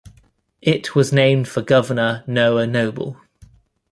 It was named for Governor Noah Noble.